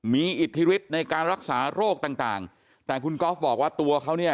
มีอิทธิฤทธิ์ในการรักษาโรคต่างต่างแต่คุณก๊อฟบอกว่าตัวเขาเนี่ย